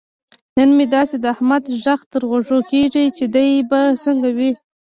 نن مې داسې د احمد غږ تر غوږو کېږي. چې دی به څنګه وي.